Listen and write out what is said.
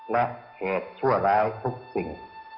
นับเหตุชั่วร้ายทุกสิ่ง